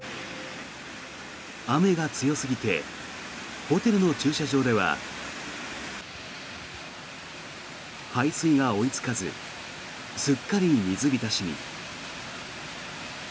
雨が強すぎてホテルの駐車場では排水が追いつかずすっかり水浸しに。